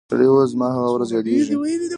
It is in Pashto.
سړي وویل زما هغه ورځ یادیږي